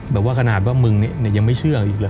แบบว่าขนาดว่ามึงเนี่ยยังไม่เชื่ออีกเลย